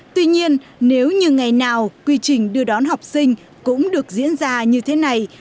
tuy nhiên nếu như ngày nào quy trình đưa đón học sinh cũng được diễn ra như thế này